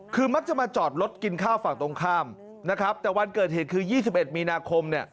คือมักจะมาจอดรถกินข้าวฝั่งตรงข้ามนะครับแต่วันเกิดเหตุคือ๒๑มีนาคมเนี่ย